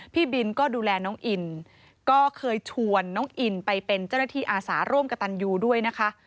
พี่บินก็ดูแลน้องอินก็เคยชวนน้องอินไปเป็นเจ้าหน้าที่อาสาร่วมกับตันยูด้วยนะคะ